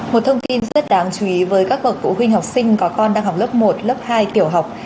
một thông tin rất đáng chú ý với các bậc phụ huynh học sinh có con đang học lớp một lớp hai tiểu học